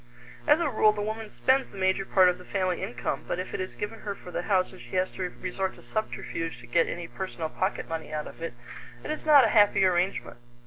As a rule, the woman spends the major part of the family income, but if it is given her for the house and she has to resort to subterfuge to get any personal pocket money out of it, it is not a happy arrangement.